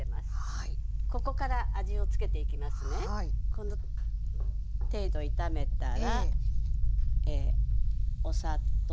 この程度炒めたらお砂糖。